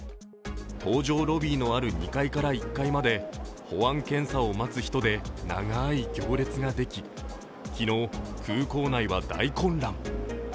搭乗ロビーのある２階から１階まで保安検査を待つ人で長い行列ができ、昨日、空港内は大混乱。